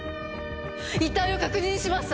遺体を確認しました！